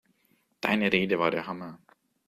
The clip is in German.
Deine Rede war der Hammer!